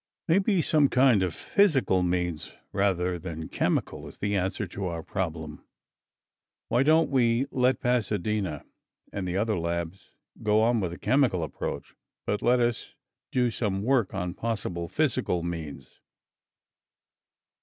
"Maybe some kind of physical means, rather than chemical, is the answer to our problem. Why don't we let Pasadena and the other labs go on with the chemical approach but let us do some work on possible physical means?"